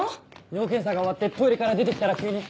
尿検査が終わってトイレから出て来たら急に。